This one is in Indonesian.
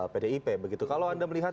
pdip kalau anda melihat